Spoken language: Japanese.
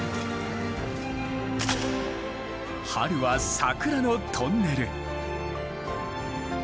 春は桜のトンネル。